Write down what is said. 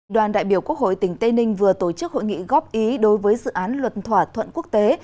đoàn đại biểu quốc hội tỉnh tây ninh vừa tổ chức hội nghị góp ý đối với dự án luật thỏa thuận quốc tế